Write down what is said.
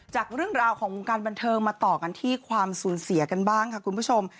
จากเรื่องราวของวงการบันเทิงมาต่อกันที่ความสูญเสียกันบ้างค่ะคุณผู้ชม